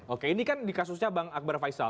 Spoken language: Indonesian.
oke ini kan dikasusnya bang akbar faisal